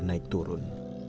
dengan kontur naik turun